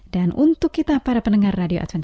dan untuk kita para pendengar radio adventure